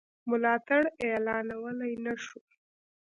ملاتړ اعلانولای نه شو.